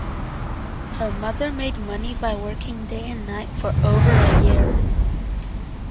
Her mother made money by working day and night for over a year